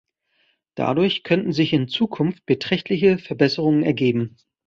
Dadurch könnten sich in Zukunft beträchtliche Verbesserungen ergeben.